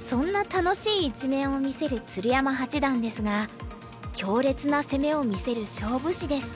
そんな楽しい一面を見せる鶴山八段ですが強烈な攻めを見せる勝負師です。